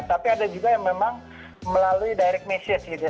tapi ada juga yang memang melalui direct message gitu ya